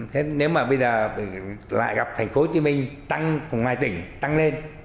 thế nếu mà bây giờ lại gặp thành phố hồ chí minh tăng cùng ngoài tỉnh tăng lên